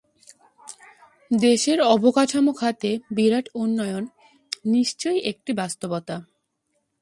দেশের অবকাঠামো খাতে বিরাট উন্নয়ন নিশ্চয় একটি বাস্তবতা।